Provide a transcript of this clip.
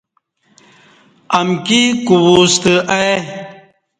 امکی کوو ستہ آئی